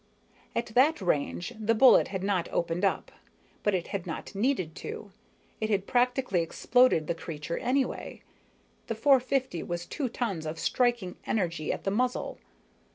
At that range, the bullet had not opened up, but it had not needed to. It had practically exploded the creature anyway the .450 has two tons of striking energy at the muzzle.